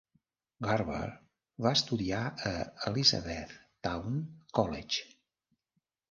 Garber va estudiar a l'Elizabethtown College.